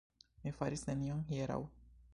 Mi faris nenion hieraŭ.